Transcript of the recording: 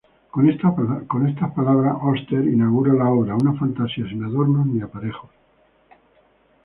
Con estas palabras Auster inaugura la obra, una fantasía sin adornos ni aparejos.